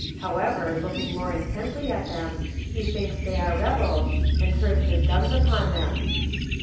However looking more intently at them, he thinks they are rebels, and turns his guns upon them.